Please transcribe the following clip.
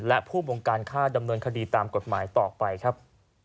และผู้บงการฆ่าดำเนินคดีตามกฎหมายต่อไปครับ